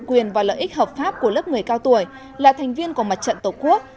quyền và lợi ích hợp pháp của lớp người cao tuổi là thành viên của mặt trận tổ quốc